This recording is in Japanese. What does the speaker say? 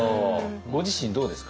ご自身どうですか？